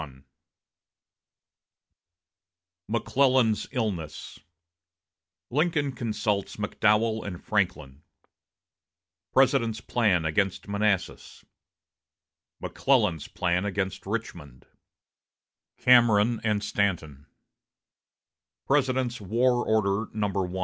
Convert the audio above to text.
XXI McClellan's Illness Lincoln Consults McDowell and Franklin President's Plan against Manassas McClellan's Plan against Richmond Cameron and Stanton President's War Order No.